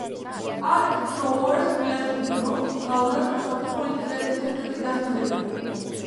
ალექს ქროუერს მიაჩნია, რომ სწავლაც უსაფრთხო ინტერნეტის ერთ-ერთი გასაღებია.